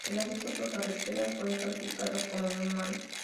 El acceso por carretera fue calificado como muy malo.